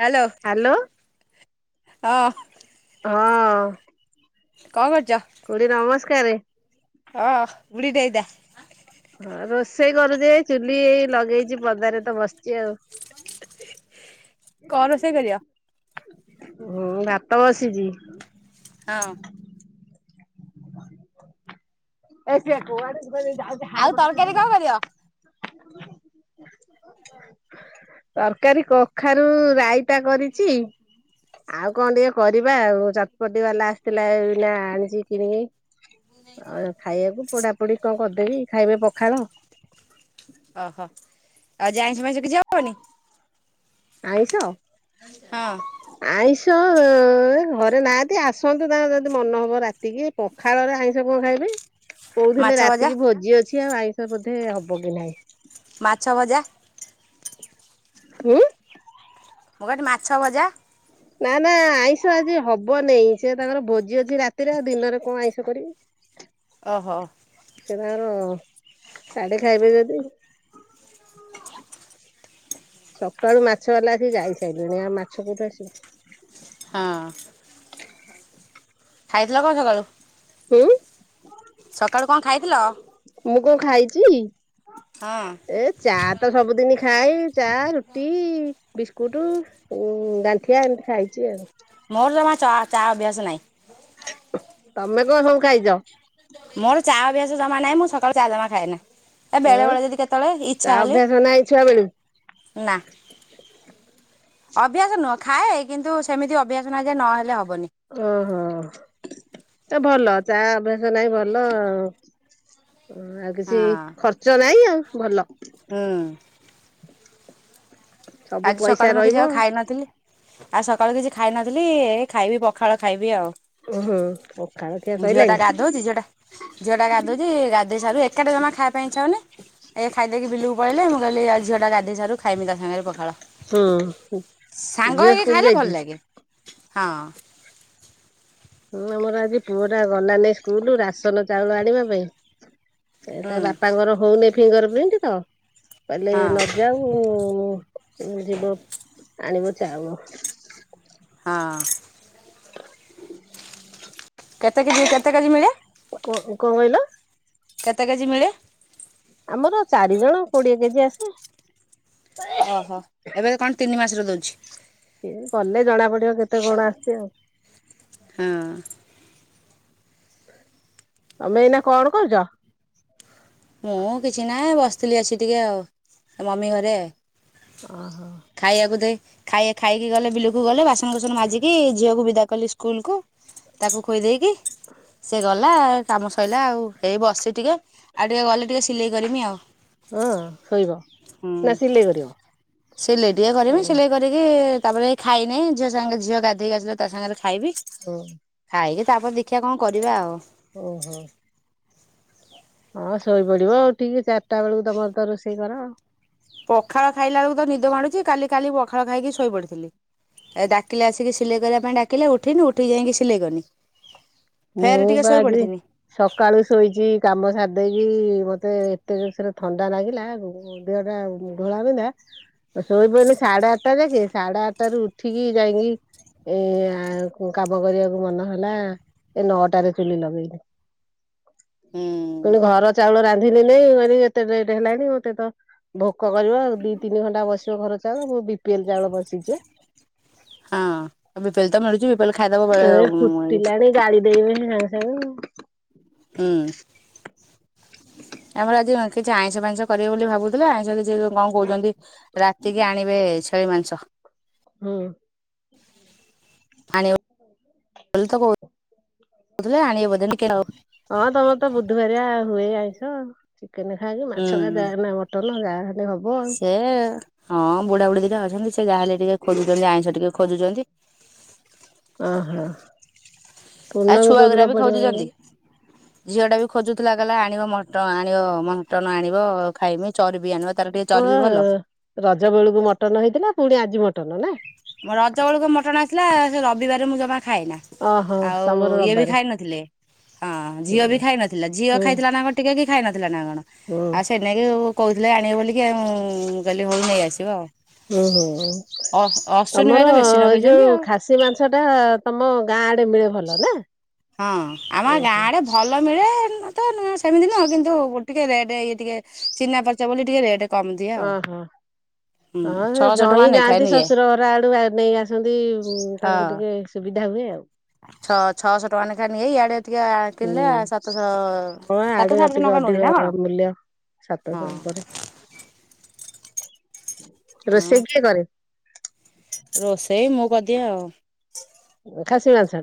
Hello hello ହଁ ହଁ। କଣ କ ଖୁଡ଼ି ନମସ୍କାରେ ହଁ ବୁଢ଼ୀଟେ ହେଇଥା। ହଁ ରୋଷେଇ କରୁଛି ଏଇ ଚୁଲି ଏଇ ଲଗେଇଛି ପଦାରେ ତ ବସିଛି ଆଉ। [unintelligible] କଣ ରୋଷେଇ କରିବ? ହଁ ଭାତ ବସିଛି। ହଁ। [unintelligible] ଆଉ କଣ କରିବ? ତରକାରୀ କଖାରୁ ରାଇ ଟା କରିଚି ଆଉ କଣ ଟିକେ କରିବା ଆଉ ଚଟପଟି ବାଲା ଆସିଥିଲା ଏଇନା ଆନିଚି କିଣିକି। ଆଉ ଖାଇବାକୁ ପୋଡାପୋଡି କଣ କରିଦେବି ଖାଇବେ ପଖାଳ। ଓହୋ ଆଉ ଆଜି ଆଇଁଷ ଫାଇଁସ କିଛି ହବନି? ଆଇଁଷ ହଁ। ଆଇଁଷ ଏ ଘରେ ନା ଆଜି ଆସନ୍ତୁ ତାଙ୍କର ଯଦି ମନ ହବ ରାତିକି ପଖାଳରେ ଆଇଁଷ କଣ ଖାଇବେ ମାଛ କହୁଥିଲେ ଭଜା ରାତି କିି ଭୋଜି ଅଛି ଆଉ ଆଇଁଷ ବୋଧେ ହବ କି ନାହିଁ। ମାଛ ଭଜା ହଁ। ମୁଁ କହିନି ମାଛ ଭଜା ନା ନା ଆଇଁଷ ଆଜି ହବନେଇଁ ସେ ତାଙ୍କର ଭୋଜି ଅଛି ରାତିରେ ଆଉ ଦିନରେ କଣ ଆଇଁଷ କରିବି। ଓହୋ। ସେ ତାଙ୍କର ସାଢ଼େ ଖାଇବେ ଯଦି ସକାଳୁ ମାଛ ବାଲା ଆସିକି ଯାଇ ସାଇଲେନି ଆଉ ମାଛ କୋଉଠୁ ଆସିବ। ହଁ। ଖାଇଥିଲ କଣ ସକାଳୁ? ହୁଁ। ସକାଳୁ କଣ ଖାଇଥିଲ? ମୁଁ କଣ ଖାଇଛି ହଁ ଏ ଚା ତ ସବୁଦିନ ଖାଏ ଚା ରୁଟି ବିସ୍କୁଟ ଗାଣ୍ଠିଆ ଏମିତି ଖାଇଛି ଆଉ। ମୋର ଜମା ଚା ଚା ଅଭ୍ୟାସ ନାହିଁ। ତମେ କଣ ସବୁ ଖାଇଛ? ମୋର ଚା ଅଭ୍ୟାସ ଜମା ନାହିଁ ମୁଁ ସକାଳୁ ଚା ଜମା ଖାଏନା। ଏ ବେଳେ ହଁ ବେଳେ ଯଦି କେତେବେଳେ ଚା ଇଛା ହେଲେ ଅଭ୍ୟାସ ନାହିଁ ଛୁଆ ବେଳୁ ନା ଅଭ୍ୟାସ ନୁହଁ ଖାଏ। କିନ୍ତୁ ସେମିତି ଅଭ୍ୟାସ ନାହିଁ ଯେ ନହେଲେ ହବ ଓହୋ ତ ଭଲ ଚା ଅଭ୍ୟାସ ନାଇଁ ଭଲ। ଓ ଆଉ ହଁ କିଛି ଖର୍ଚ୍ଚ ନାଇଁ ଆଉ ଭଲ। ହୁଁ। ସବୁ ଆଜି ପଇସା ସକାଳୁ ମୁଁ କିଛି ରହିବ। ଆଉ ଖାଇନଥିଲି। ଆଉ ସକାଳୁ କିଛି ଖାଇନଥିଲି ଖାଇବି ପଖାଳ ଖାଇବି ଆଉ। ଓହୋ। ଝିଅ ଟା ଗାଧଉଛି ଝିଅ ଟା ଝିଅ ଟା ଗାଧୋଉଛି ଗାଧେଇ ସାରୁ ଏକାଟା ଜମା ଖାଇବା ପାଇଁ ଇଚ୍ଛା ହଉନି। ଏଇ ଖାଇଦେଇକି ବିଲକୁ ପଳେଇଲେ। ମୁଁ କହିଲି ଝିଅଟା ଗାଧେଇସାରୁ ଖାଇମି ତା ସାଙ୍ଗରେ ପଖ ଖାଳ ହୁଁ ସାଙ୍ଗ ଝିଅ ହେଇକି ସ୍କୁଲ ଖାଇଲେ ଭଲ ଯାଇଛି। ଲାଗେ ହଁ। ହୁଁ ଆମର ଆଜି ପୁଅ ଟା ଗଲା ନାଇଁ ସ୍କୁଲ ରାସନ ଚାଉଳ ଆଣିବା ପାଇଁ। ଏ ହୁଁ ତା ବାପାଙ୍କର ହଉନି ଫିଙ୍ଗର ପ୍ରିଣ୍ଟ ତ। କହିଲେ ହଁ ନଯାଉ ଯିବ। ଆଣିବ ଚାଉଳ। ହଁ। [inaudible] କେତେ କେଜି କେତେ କେଜି ମିଳେ? କ-କଅଁ କଇଲ? କେତେ କେଜି ମିଳେ? ଆମର ଚାରି ଜଣ କୋଡିଏ କେଜି ଆସେ। ଓହୋ ଏବେ କଣ ତିନି ମାସରେ ଦଉଛି? [unintelligible] ଗଲେ ଜଣା ପଡିବ କେତେ କଣ ଆସଛି ଆଉ। ହଁ ତମେ ଏଇନା କଣ କରୁଚ? ମୁଁ କିଛି ନାଇଁ ବସ୍ ଥିଲି ଆସି ଟିକେ ଆଉ ମମି ଘରେ। ଓ। ଖାଇବାକୁ ଦେ ଖାଇ-ଖାଇକି ଗଲେ ବିଲୁକୁ ଗଲେ ବାସନକୁସନ ମାଜିକି ଝିଅକୁ ବିଦା କଲି ସ୍କୁ କୁଲ୍ କୁ ତାକୁ ଖୋଇ ଦେଇକି ସିଏ ଗଲା। କାମ ସଇଲା ଆଉ ହେଇ ବସି ଟିକେ ଆଉ ଟିକେ ଗଲେ ସିଲେଇ କରିମି ଆଉ। ହଁ ଶୋଇବ ହୁଁ ନା ସିଲେଇ କରିବ? ସିଲେଇ ଟିକେ କରମି ସିଲେଇ ଓ କରିକି ଏ ତାପରେ ଖାଇନେଇଁ ଝିଅ ସାଙ୍ଗେ ଝିଅ ଗା ଧେଇକି ଆସିଲେ ତା ସାଙ୍ଗରେ ଖାଇବି ଓ ଖାଇକି ତାପରେ ଦେଖିଆ କଣ କରିବା ଆଉ? ଓହୋ। ଓ ଶୋଇପଡିବ ଉଠିକି ଚାରଟା ବେଳକୁ ତମର ତ ରୋଷେଇ କର ଆଉ। ପଖାଳ ଖାଇଲା ବେଳକୁ ତ ନିଦ ମାଡୁଚି କାଲି କାଲି ପଖାଳ ଖାଇକି ଶୋଇ ପଡିଥିଲି। ଏ ଡାକିଲେ ଆସିକି ସିଲେଇ କରିବା ପାଇଁ ଡାକିଲେ ଉଠିନୁ ଉଇଁକି ଯାଇକିଁ ସିଲେଇ କନି। ମୁଁ ଫେର ଟିକେ ପା ଶୋଇ ଆଜି ପଡିଥିନି ସକାଳୁ ଶୋଇଚି କାମ ସାରଦେଇକି ମତେ ଏତେ ଜୋରସରେ ଥଣ୍ଡା ନାଗିଲା ଦେହଟା ଘୋଳା ବିିନ୍ଧା। ମୁଁ ଶୋଇପଇନି ସାଡେ ଆଟା ଯାକେ ସାଡେ ଆଟ ଟାରୁ ଉଠିକି ଯାଇକିଁ। ଏଇଆଁ କୁ କାମ କରିବାକୁ ମନହେଲା। ଏ ନଅଟାରେ ଚୁଲି ଲଗେଇନି। ହୁଁ। ପୁଣି ଘର ଚାଉଳ ରାନ୍ଧିନି ନେଇଁ ମୁଁ କଇନି ଏତେ ଲେଟ ହେଲାଣି ମତେ ତ ଭୋକ କରିବ ଦି ତିନି ଘଣ୍ଟା ବସିବ ଘର ଚାଉଳ ମୁ ବି ପି ଏଲ ଚାଉଳ ବସିଚି ଆ। ହଁ ଆଉ ବିପିଏଲ ତ ମିଳୁଛି ବିପିଏଲ ଖାଇଦବ ବେଳେ ଏ ହୁଁ ଫୁଟିଲାଣି ଗାଳି ଦେଇବେ ହଁ। ହୁଁ। ହୁଁ। ଆମର ଆଜି ଉଁ କିଛି ଆଇଁଷ ଫାଇଁଷ କରିବେ ବୋଲି ଭାବୁଥିଲେ ଆଇଁଷ କିଛି କଣ କଉଚନ୍ତି ରାତିକି ଆଣିବେ। ଏ ଛେଳି ମାଂସ। ହୁଁ। ଆନିବ ବୋଲ ତ କଉ ଆଉ ହଁ ତମର ତ ବୁଧୁବାରିଆ ହୁଏ ଆଉଁଷ ଚିକେନ ଖାଇବ। ମାଛ ଆ ହୁଁ ଯାଏନା ମଟନ ଯା ସେ ହଁ ବୁଢା ବୁଢି ଦି ଟା ଅଛନ୍ତି ସେ ଯାହାହେଲେ ଟିକେ ଖୋଳୁଚନ୍ତି ଆଇଁଷ ଟିକେ ଖୋଜୁଚନ୍ତି। ଓହଁ ପୂର୍ଣ୍ଣମୀ କୋଉଦିନ ପଡିିବ କଇଲ? ଝିଅ ଟା ବି ଖୋଜୁଥୁଲା କଇଲା ଆଣିବ ମଟ ଆଣିବ ମ ଟନ ଆଣିବ ଖାଇମି ଚରବି ଆଣିବ ତାର ଟିକେ ଚର୍ବି ଭଲ [unintelligible] ରଜ ବେଳୁକୁ ମଟନ ହେଇଥିଲା ପୁଣି ଆଜି ମଟନ ନା। ମୋ ରଜ ବେଳକୁ ମଟନ ଆସିଲା ସେ ରବିବାରେ ମୁଁ ଜମା ଖାଏନା। ଓହୋ ଆଉ ତମର ଇଏ ବି ରବିବାରେ। ଖାଇ ନଥିଲେ। ହଁ ହୁଁ ଝିଅ ବି ଖାଇ ନଥିଲା ଝିଅ ହୁଁ ଖାଇଥିଲା ନା କଣ ଟିକେ କି ଖାଇ ନଥିଲା ନା କଣ ହୁଁ ଆଉ ସେ ନେଇକି କଉ ଥିଲେ ଆଣିବ ବୋଲିକି ଆଉଁ ମୁଁ କଇଲି ହଉ ନେଇ ଆସିବ। ଉଁ ହୁଁ ଅ ଅଶ୍ୱିନୀ ଭାଇ ତମର ତ ବେଶୀ ଏଇ ନଗେଇଛନ୍ତି ଯୋଉ ଆଉ। ଖାସି ମାଂସ ଟା ତମ ଗାଁ ଆଡେ ମିଳେ ଭଲ ନା ହଁ ଆମ ଗାଁ ଓହୋ। ଆଡେ ଭଲ ମିଳେ ତ ନୁଅଁ ସେମିତିି ନୁଅଁ କିନ୍ତୁ ଟିକେ ରେଟ୍ ଇଏ ଟିକେ ଚିହ୍ନା ପରିଚୟ ବୋଲି ଟିକେ ରେଟ୍। କମ ଦିଏ ଆଉ ଓହୋ। ହୁଁ ହଁ ସେ ଛଅଶହ ଟଙ୍କା ଜଇଁ ନେଖାଏ ଯାଆନ୍ତି ନିଏ। ଶ୍ୱଶୁର ଘର ଆଡୁ ନେଇ ଆସନ୍ତି ତାଙ୍କୁ ହଁ ଟିକେ ସୁବିଧା ହୁଏ ଆଉ। ଛଅ ଛଅଶହ ଟଙ୍କା ଲେଖା ଏଇ ଇଆଡେ ଏତିିକେ କିଣିଲେ ହୁଁ। ସାତଶହ ସାତହ ହଁ ଆଡେ ସାାତଶହ ଆଠାସ ଟିକେ ଟଙ୍କା ଅଧିକ ନିଏ। ମୂଲ୍ୟ ସାତଶହ ଉପରେ। ହଁ ରୋଷେଇ କିଏ କରେ ରୋଷେଇ ମୁଁ କରିଦିଏ ଆଉ। ଖାସି ମାଂସ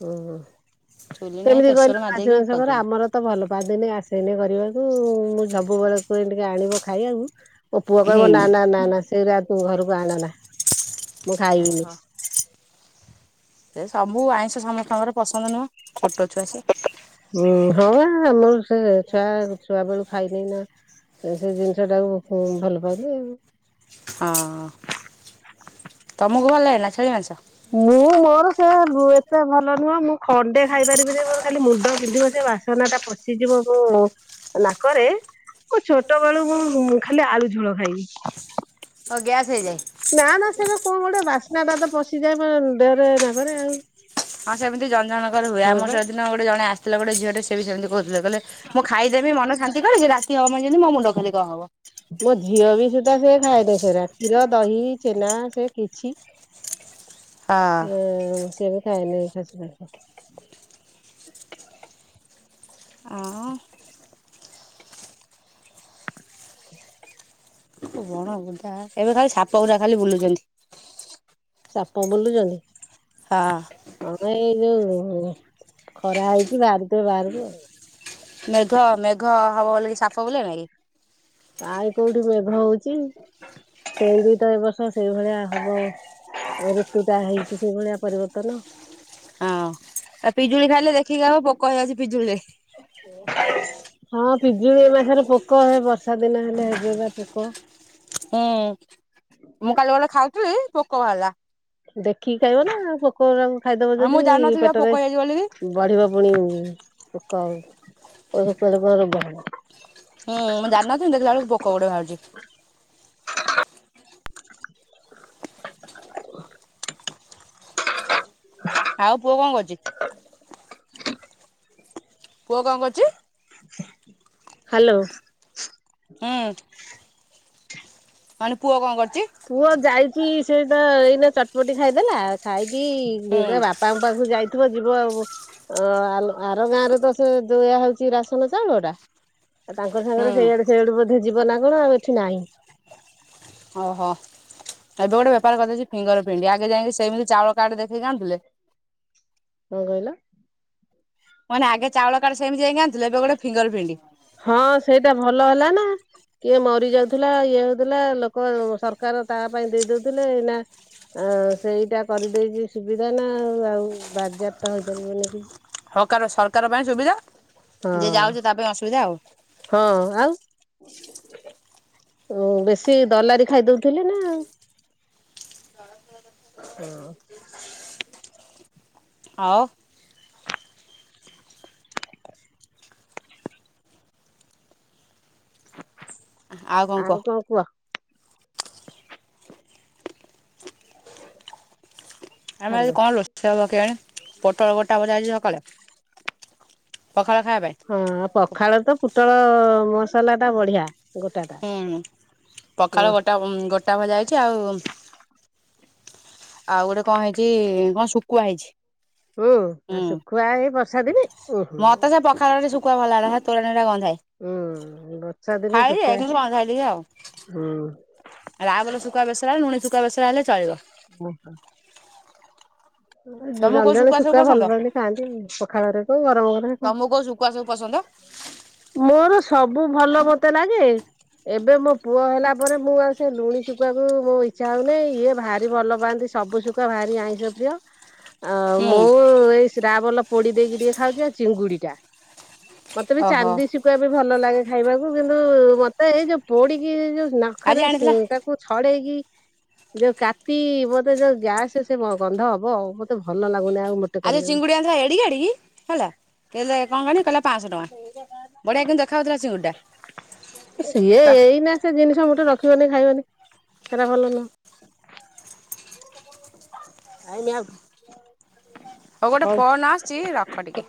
ଟା ଚ [inaudible] କେମିତି କହିଲ ଖାଶୀ ମାଂସ କର ଆମର ତ ଭଲ ପାଆନ୍ତି ଆସେନି କରିବାକୁ ମୁଁ ସବୁ ବେଳେ। କୁ ଟିକେ ଆଣିବ ଖାଇବାକୁ ମୋ ପୁଅ କହିବ ହୁଁ ନା ନା ନା ନା ସେଇା ତୁ ଘରକୁ ଆଣନା। ମୁଁ ଖାଇବିନି ସେ ସବୁ ଆଇଁଷ ସମସ୍ତଙ୍କର ପସନ୍ଦ ନୁହଁ। ଛୋଟ ଛୁଆ ସେ ହଁ ଆମର ସେ ଛୁଆ ଛୁଆ ବେଳୁ ଖାଇନି ନା ସେ ଜିନିଷ ଟାକୁ ଭଲ ପାନ୍ତି। ହଁ। ତମକୁ ଭଲ ଲାଗେ ନା ଛେଳି ମାଂସ। ମୁଁ ମୋର ସେ, ଏତେ ଭଲ ନୁହଁ ମୁଁ ଖଣ୍ଡେ ଖାଇପାରିବିିନି ମୋର ଖାଲି ମୁଣ୍ଡ ବିନ୍ଧି ବ ଯେ ବାସନା ଟା ପଶିଯିବ ମୁଁ। ନାକରେ ମୁ ଛୋଟ ବେଳୁ ମୁଁ ଖାଲି ଆଳୁ ଝୋଳ ଖାଇବି। ଓ ଗ୍ୟାସ୍ ହେଇଯାଏ। ନା ନା ସେଟା କଣ ଗୋଟେ ବାସ୍ନାଟା ତ ପ ଦେହରେ ନାକରେ ଆଉ। ହଁ ସେମତି ଜନକର ହଏ ହୁଏ ଆୋ ବା ସେଦିନ ଗୋଟେ ଜଣ ଆସିଥିଲା ଗୋଟେ ଝିଅ ଟେ ସେ ବି ସେମିତି କହୁଥିଲେ। କଲେ ମୁଁ ଖାଇଦେବି ମନ ଶାନ୍ତି କରେ ସେ ରାତି ହବ ମାନେ ଯେମିତି ମୁଣ୍ଡ ଖାଲି କଣ ହବ। ମୋ ଝିଅ ବି ସୁଦ୍ଧା ସେ ଖାଏନି ସେରା କ୍ଷୀର ଦହି ଛେନା ସେ କିଛି। ଆ ହଁ ସେମିତି। ନାଇଁ ନାଇ ଖସ ଖସ। ଆ ବଣ ବୁଧା ଏବେ ଖାଲି ସାପ ଗୁଡା ଖାଲି ବୁଲୁଛନ୍ତି। ସାପ ବୁଲୁଛନ୍ତି ହଁ ହଁ ଏଇ ଯୋଉ। ହ ଖରା ହେଇଛି ବାହାର। ମେଘ ମେଘ ହବ ବୋଲିକି ସାପ ବୁଲେନକି। କାଇଁ କୋଉଠି ମେଘ ହଉଛି ସେଇ ଦୁଇ ଚାରି ବର୍ଷ ସେଇଭଳିଆ ହବ। ଏ ଋତୁ ଟା ହେଇଛି ସେଇ ଭଳିଆ ପରିବର୍ତ୍ତନ। ହଁ ଆ ପିଜୁଳି ଖାଇଲେ ଦେଖିକି ଖାଇବ ପୋକ ହେଇଯାଉଛି ପିଜୁଳିରେ। ହଁ ପିଜୁଳି ଏ ମାସରେ ପୋକ ହେ ବର୍ଷା ଦିନ ହେଲେ ହେବେ ବା ପୋକ। ହୁଁ ମୁଁ କାଲି ଗଲେ ଖାଉଥିଲି ଭୋକ ବାହାରିଲା ଦେଖିକି ଖାଇବ ନା ପୋକଙ୍କୁ ଖାଇଦବ ହଁ ମୁଁ ଯଦି ଜାଣିନଥିଲି ବା ପୋକ ପେଟରେ ହେଇଯାଇଛି ବୋଲିକି। ବଢିବ ପୁଣି ପୋକ ବ ହୁଁ ମୁଁ ଜାଣିନଥିଲି ଦେଖିଲା ବେଳକୁ ପୋକ ଗୋଟେ ବାହାରୁଛି। [inaudible] ଆଉ ପୁଅ କଣ କରହୁଛି [inaudible] ପୁହ କଣ କରୁଛି ହ୍ୟାଲୋ ହଁଠ ମାନେ ପୁଅ କଣ କରୁଛି ସେଇଟ ଏଇନା ଚଟମଟି ଖାଇଦେଲା ଖାଇକି ହୁଁ ବାପାଙ୍କ ପାଖକୁ ଯାଇ ିବ ଯିବ ଆଉ ଆର ଗାଁ ରେ ତ ସେ ଯୋଉୟ ହଉଛି ରାସନ ଚାଉଳଟା ଆଉ ତାଙ୍କ ସାଙ୍ଗରେ ହୁଁ ସେଇଆଡ ସେଇଆଡୁ ବଧେ ଯିବ ନା କଣ ଆଉ ଏଠି ନାହିଁ ଓହୋ ଏବେ ଗୋଟେ ବେପାର କରିଦେଇଛି ଫିଙ୍ଗର ଫିଣ୍ଡି ଆଗେ ଯାଇକି ସେମିତି ଚାଉଳ କାଡେ ଦେଖିକି ଆଣୁଥିଲେ କଣ କହିଲ ମାନେ ଆଗେ ଚାଉଳ କଡ ସେମିତି ଯାଇି ଆଣିୁ ଏବେ ଗୋଟେ ଫଙ୍ଗ ଫିଣ୍ଡି ହଁ ସେଇଟା ଭଲ ହେଲା ନା କିଏ ମ ଡି ଯାଉଥିଲା ଇଏ ହଉଥିଲା ଲୋକ ସରକାର ତା ପାଇଁ ଦେଇ ଦଉଥିଲେ ନା ଆ ସେଇଟା କରିଦେଇଛି ସୁବିଧାନା ଆଉ ଆଉ ବାରଯ୍ୟାପ୍ତ ହେଇପାରିବନି କିଛି। ହକାର ସରକାର ପାଇଁ ସୁବିଧା ହଁ ଯିଏ ଯାଉଛି ତା ପାଇଁ ଅସୁବିଧା ଆଉ। ହଁ ଆଉ। ଉଁ ବେଶୀ ଦଲାରି ଖାଇଦଉଥିଲେ ନା। ହଁ ଆଉ ଆଉ କଣ କୁହ। ଆମେ ଆଜି ହାଲୋ। କଣ ରୋଷେଇ କିଆଣି ପୋଟଳ ଗୋଟା ଭଜା ହେଇଚି ସକାଳେ। ପଖାଳ ଖାଇବା ପାଇଁ ହଁ ପଖାଳ ତ ପୁଟଳ ମସଲାଟା ବଢିଆ। ଗୋଟା ଟା। ହୁଁ ପଖାଳ ଓ ଗୋଟା ଗୋଟା ଭଜା ହେଇଛି ଆଉ ଆଉ ଗୋଟେ କଣ ହେଇଛି କଣ ଶୁଖୁଆ ହେଇଛି। ଆଉ ହୁଁ ଶୁଖୁଆ ଏଇ ବର୍ଷା ଦିନେ ଉହୁଁ। ମତେ ସେ ପଖାଳ ବଳି ଶୁଖୁଆ ଭଲ ହେଲା ତୋରଣି ଗୁରା ଗନ୍ଧାଏ। ହୁଁ ବଛା ଦିନେ ଶୁଖୁଆ [unintelligible] ଗନ୍ଧାଏ ଟିକିଏ ଆଉ ହୁଁ। ରାଆବଲ ଶୁଖାଆ ବେସରା ହେଲେ ଲୁଣି ଶୁଖାଆ ବେସରା ହେଲେ ଚଳିବ। ଓହୋ। ତମକୁ ଜଣେ କୋଉ ଜଣେ ସବୁ ଶୁଖୁଆ ପସନ୍ଦ ଭଲ ପାଆନ୍ତି ଖାଆନ୍ତି ପଖାଳରେ କଣ ଗରମରେ କଣ। ତମକୁ କୋଉ ଶୁଖୁଆ ସବୁ ପସନ୍ଦ ମୋର ସବୁ ଭଲ ମତେ ଲାଗେ। ଏବେ ମୋ ପୁଅ ହେଲା ପରେ ମୁଁ ଆଉ ସେ ଲୁଣି ଶୁଖୁଆକୁ ମୋ ଇଚ୍ଛା ହଉନି ଇଏ ଭାରି ଭଲ ପା ନ୍ତି ସବୁ ଶୁକଆ ଭାରି ଆଇଁଷ ପ୍ରିୟ। ଅ ହୁଁ ମୁଁ ଏଇ ଶ୍ରାବଲ ପୋଡି ଦେଇକି ଟିକେ ଖାଉଛି ଆଉ ଚିଙ୍ଗୁଡିଟା। ମତେ ବି ଓହୋ ଚାନ୍ଦି ଶୁଖୁଆ ବି ଭଲ ଲାଗେ ଖାଇବାକୁ କିନ୍ତୁ ମତେ ଏଇ ଯୋଉ ପୋଡିକି ଯୋଉ ଆଜି ନାଖରେ ଉଁ ଆଣିଥିଲା ତାକୁ ଛଡ଼େଇକି ଯୋଉ କାତି ମତେ ଯୋଉ ଗ୍ୟାସ ସେ ଗନ୍ଧ ହବ ମତେ ଭଲ ଲାଗୁନି ଆଉ। ମୋଟେ ଆରେ କରିବାକୁ। ଚିଙ୍ଗୁଡି ଆଣିଥିଲା ଏଡିକି ଏଡିକି ହେଲା। କିଲେ କଣ କହନି କିହିଲା ପାଞ୍ଚଶହ ଟଙ୍କା ବଢିଆ କିନ୍ତୁ ଦେଖାଯାଉ ଥିଲା ଚିଙ୍ଗୁଡ଼ିଟା। ସିଏ ଏଇନା ସେ ଜିନିଷ ଗୋଟେ ରଖ ରଖିବନି ଖାଇବନି ସେରା ଭଲ ନୁହଁ। Time out. ହଉ ଗୋଟେ ଫୋନ ଆସିଛି ରଖ ଟିକେ।